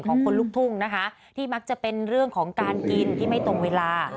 ของคนลุกทุ่งนะคะที่มักจะเป็นเรื่องของการกินที่ไม่ตรงเวลา